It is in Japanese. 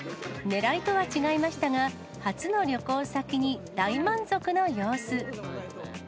狙いとは違いましたが、初の旅行先に大満足の様子。